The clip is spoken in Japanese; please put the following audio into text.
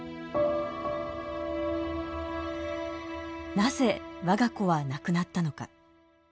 なぜ我が子は亡くなったのか。